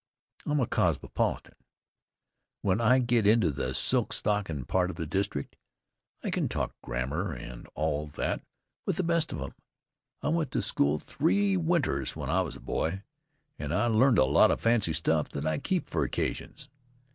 I'm a cosmopolitan. When I get into the silk stockin' part of the district, I can talk grammar and all that with the best of them. I went to school three winters when I was a boy, and I learned a lot of fancy stuff that I keep for occasions.